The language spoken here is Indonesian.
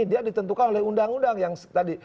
dia ditentukan oleh undang undang yang tadi